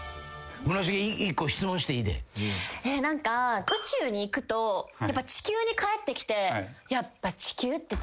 何か宇宙に行くとやっぱ地球に帰ってきて。